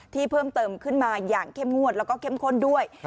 เพิ่มเติมขึ้นมาอย่างเข้มงวดแล้วก็เข้มข้นด้วย